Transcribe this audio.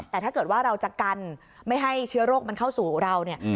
แต่ถ้าเกิดว่าเราจะกันไม่ให้เชื้อโรคมันเข้าสู่เราเนี่ย